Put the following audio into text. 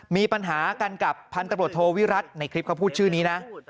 มีปัญหากันกับพันตำรวจโทวิรัติในคลิปเขาพูดชื่อนี้นะ